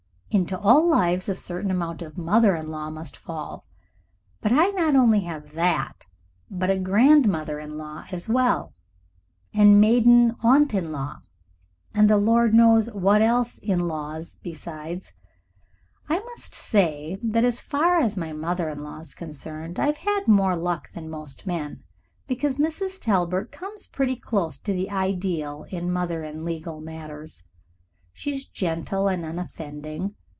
Into all lives a certain amount of mother in law must fall, but I not only have that, but a grandmother in law as well, and maiden aunt in law, and the Lord knows what else in law besides. I must say that as far as my mother in law is concerned I've had more luck than most men, because Mrs. Talbert comes pretty close to the ideal in mother in legal matters. She is gentle and unoffending.